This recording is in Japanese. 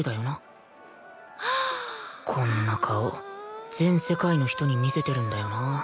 こんな顔全世界の人に見せてるんだよな